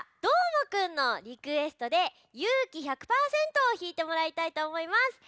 どーもくんのリクエストで「勇気１００％」をひいてもらいたいとおもいます。